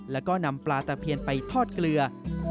แล้วก็นำปลาตะเพียนไปทอดเกลือ